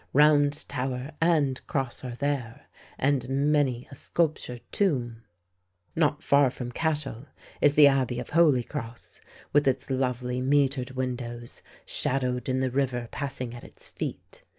Round Tower and Cross are there, and many a sculptured tomb. Not far from Cashel is the Abbey of Holy Cross, with its lovely mitred windows, shadowed in the river passing at its feet.